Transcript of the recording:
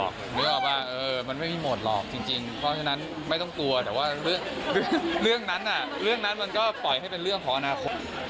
แบบนั้นเนี่ยค่ะมากจะว่ายังไงไปฟังกันอีกรอบค่ะ